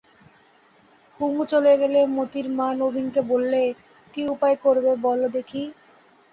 কুমু চলে গেলে মোতির মা নবীনকে বললে, কী উপায় করবে বলো দেখি?